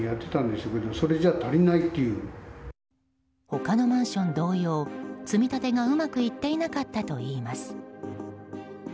他のマンション同様積み立てがうまくいってなかったといいます。